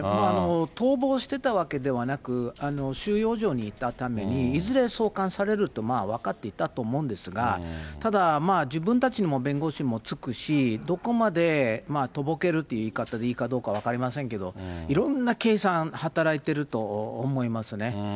逃亡してたわけではなく、収容所にいたために、いずれ送還されると、分かっていたと思うんですが、ただ、自分たちの弁護士もつくし、どこまでとぼけるって言い方でいいかどうか分かりませんけど、いろんな計算働いてると思いますね。